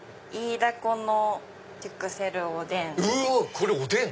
これおでん⁉